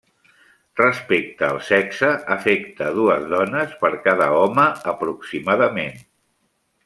Respecte al sexe, afecta dues dones per cada home aproximadament.